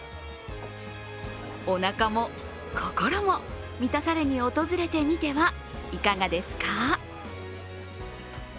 おなかも心も満たされに訪れてみてはいかがですか？